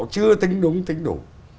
chưa tính đúng tính đủ